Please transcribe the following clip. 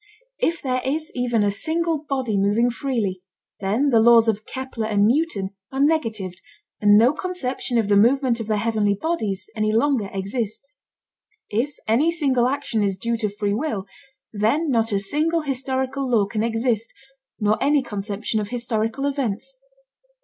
If there is even a single body moving freely, then the laws of Kepler and Newton are negatived and no conception of the movement of the heavenly bodies any longer exists. If any single action is due to free will, then not a single historical law can exist, nor any conception of historical events.